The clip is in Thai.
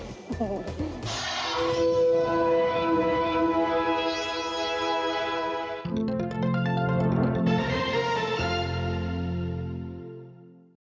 โปรดติดตามตอนต่อไป